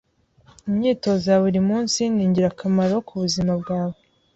Imyitozo ya buri munsi ningirakamaro kubuzima bwawe.